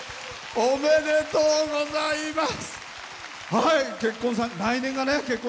ありがとうございます。